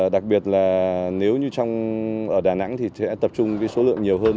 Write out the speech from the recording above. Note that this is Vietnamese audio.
đặc biệt là nếu như ở đà nẵng thì sẽ tập trung số lượng nhiều hơn